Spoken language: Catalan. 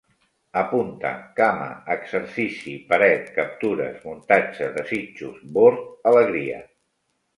Apunta: cama, exercici, paret, captures, muntatge, desitjos, bord, alegria